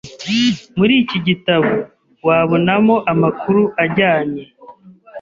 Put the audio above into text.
Muri iki gitabo wabonamo amakuru ajyanye